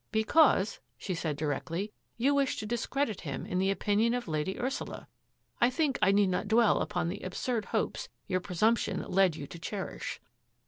"" Because," she said directly, " you wished to discredit him in the opinion of Lady Ursula. I think I need not dwell upon the absurd hopes your presumption led you to cherish."